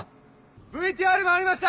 ＶＴＲ回りました！